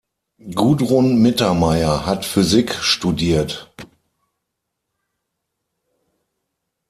Gudrun Mittermeier hat Physik studiert.